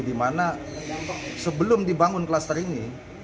dimana sebelum dibangun klaster ini